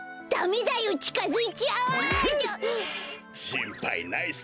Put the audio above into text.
しんぱいないさ。